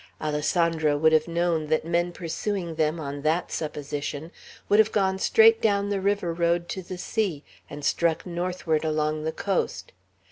Alessandro would have known that men pursuing them, on that supposition, would have gone straight down the river road to the sea, and struck northward along the coast.